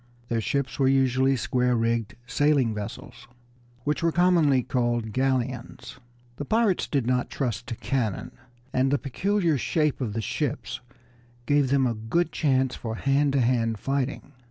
Their ships were usually square rigged sailing vessels, which were commonly called galleons. The pirates did not trust to cannon, and the peculiar shape of the ships gave them a good chance for hand to hand fighting.